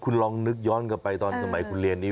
คุณลองนึกย้อนกลับไปตอนสมัยคุณเรียนนี้